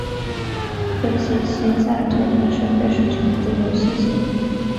费希新萨托菌是费氏曲霉的有性型。